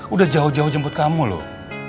udah jauh jauh jemput kamu loh